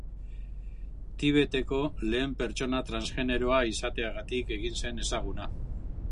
Tibeteko lehen pertsona transgeneroa izateagatik egin zen ezaguna.